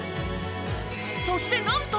そしてなんと！